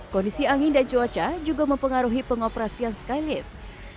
kondisi angin dan cuaca juga mempengaruhi pengoperasian skylift